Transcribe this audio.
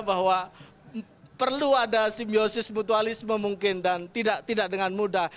bahwa perlu ada simbiosis mutualisme mungkin dan tidak dengan mudah